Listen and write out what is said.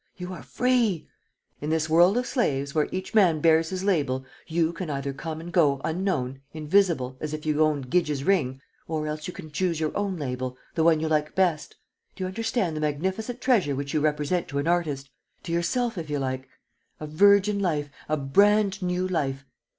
You are free! In this world of slaves where each man bears his label you can either come and go unknown, invisible, as if you owned Gyges' ring ... or else you can choose your own label, the one you like best! Do you understand the magnificent treasure which you represent to an artist ... to yourself, if you like? A virgin life, a brand new life!